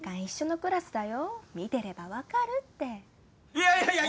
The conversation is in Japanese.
いやいやいや！